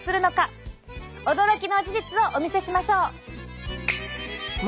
驚きの事実をお見せしましょう！